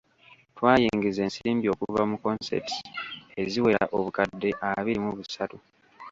Twayingiza ensimbi okuva mu consents eziwera obukadde abiri mu busatu.